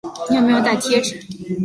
你有没有带贴纸